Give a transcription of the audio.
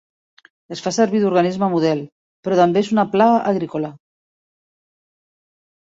Es fa servir d'organisme model, però també és una plaga agrícola.